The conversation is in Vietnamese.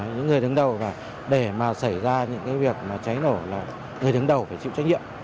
những người đứng đầu để xảy ra những việc cháy nổ là người đứng đầu phải chịu trách nhiệm